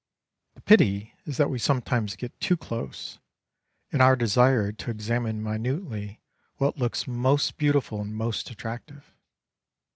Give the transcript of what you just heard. The pity is that we sometimes get too close, in our desire to examine minutely what looks most beautiful and most attractive.